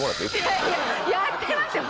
やってますよ